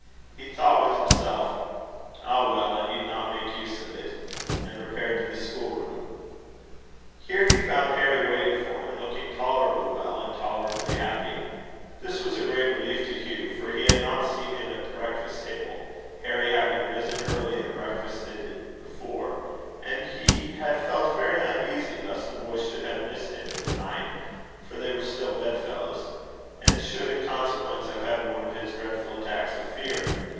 He thought with himself: "Ah! well, I need not make use of it;" and repaired to the school room. Here he found Harry waiting for him, looking tolerably well, and tolerably happy. This was a great relief to Hugh, for he had not seen him at the breakfast table Harry having risen early and breakfasted before; and he had felt very uneasy lest the boy should have missed him in the night (for they were still bed fellows), and should in consequence have had one of his dreadful attacks of fear.